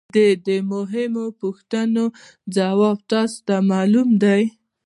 د دې مهمو پوښتنو ځواب تاسو ته معلوم دی